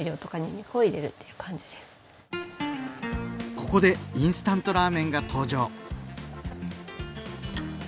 ここでインスタントラーメンが登場。